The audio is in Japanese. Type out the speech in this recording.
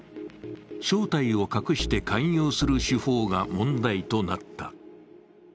正体を隠して勧誘する手法が問題となった。